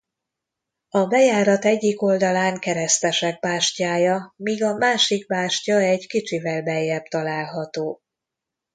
A bejárat egyik oldalán keresztesek bástyája míg a másik bástya egy kicsivel beljebb található.